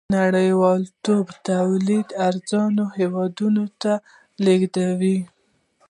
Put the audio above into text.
نړۍوالتوب تولید ارزانو هېوادونو ته لېږدوي.